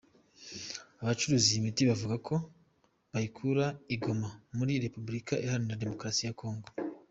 Abacuruza iyi miti bavuga ko bayikura i Goma muri Repeburika Iharanira Demukarasi ya Congo.